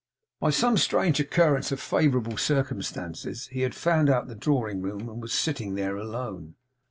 By some strange occurrence of favourable circumstances he had found out the drawing room, and was sitting there alone.